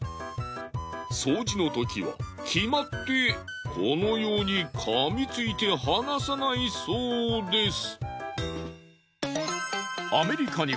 掃除のときは決まってこのように噛みついて離さないそうです。